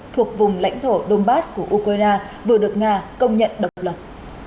thuộc vùng lãnh thổ donbass của ukraine vừa được nga công nhận độc lập